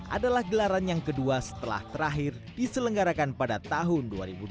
adalah gelaran yang kedua setelah terakhir diselenggarakan pada tahun dua ribu dua puluh